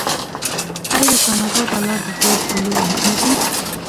آیا د کاناډا ډالر د دوی پولي واحد نه دی؟